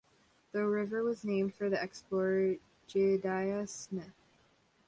The river was named for the explorer Jedediah Smith.